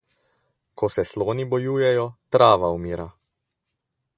Ko se sloni bojujejo, trava umira.